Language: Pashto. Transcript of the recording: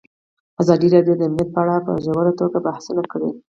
ازادي راډیو د امنیت په اړه په ژوره توګه بحثونه کړي.